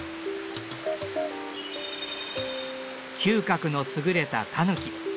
嗅覚の優れたタヌキ。